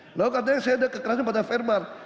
beliau katanya saya ada kekerasan pada verbal